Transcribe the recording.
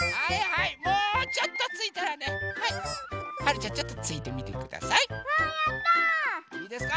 いいですか？